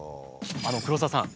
黒沢さん。